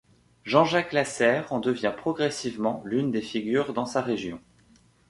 Jean Jacques Lasserre en devient progressivement l’une des figures dans sa région.